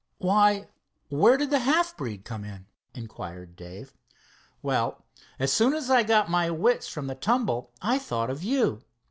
"Why, where did the half breed come in?" inquired Dave. "Well, as soon as I got my wits from the tumble, I thought of you.